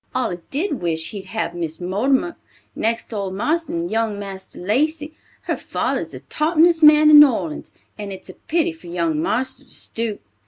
Allus did wish he'd have Miss Mortimer. Next to old marster and young marster Lacey, her father's the toppinest man in New Orleans. And it's a pity for young marster to stoop."